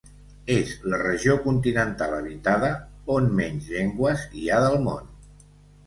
És la regió continental habitada on menys llengües hi ha del món.